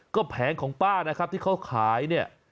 ก็แผงของป้านะครับที่เขาขายเนี่ย